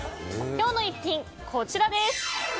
今日の逸品、こちらです。